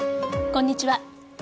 こんにちは。